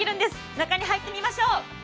中に入ってみましょう。